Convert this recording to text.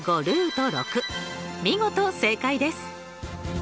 見事正解です！